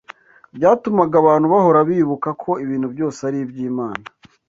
byatumaga abantu bahora bibuka ko ibintu byose ari iby’Imana